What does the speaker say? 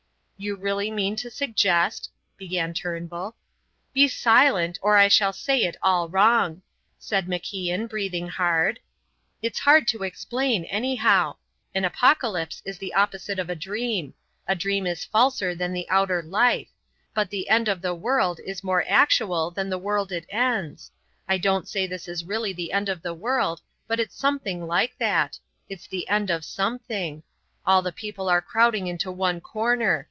"You really mean to suggest " began Turnbull. "Be silent! or I shall say it all wrong," said MacIan, breathing hard. "It's hard to explain, anyhow. An apocalypse is the opposite of a dream. A dream is falser than the outer life. But the end of the world is more actual than the world it ends. I don't say this is really the end of the world, but it's something like that it's the end of something. All the people are crowding into one corner.